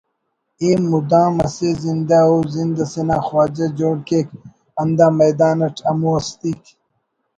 ئے مدام ئسے زندہ او زند سینا خواجہ جوڑ کیک اندا میدان اٹ ہمو ہستیک